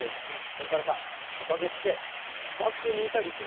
それからさトカゲってさばくにいたりするんだよね。